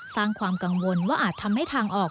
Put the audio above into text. สร้างความกังวลว่าอาจทำให้ทางออก